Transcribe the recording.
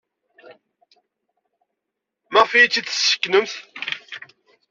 Maɣef ay iyi-tt-id-tesseknemt?